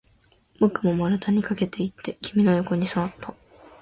僕も丸太に駆けていって、君の横に座った